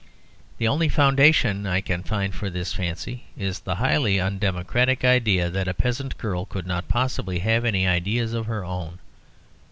The only foundation I can find for this fancy is the highly undemocratic idea that a peasant girl could not possibly have any ideas of her own.